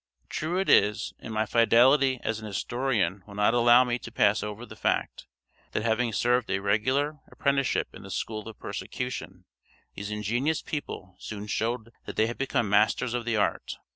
True it is, and my fidelity as an historian will not allow me to pass over the fact, that having served a regular apprenticeship in the school of persecution, these ingenious people soon showed that they had become masters of the art.